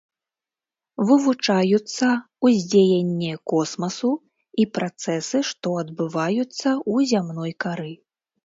Вывучаюцца ўздзеянне космасу і працэсы, што адбываюцца ў зямной кары.